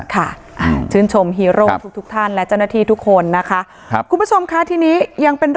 ค่ะชื่นชมฮีโร่ทุกทุกท่านและเจ้าหน้าที่ทุกคนนะคะครับคุณผู้ชมค่ะทีนี้ยังเป็น